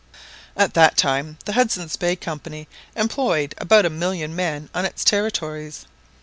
At that time the Hudson's Bay Company employed about a million men on its territories.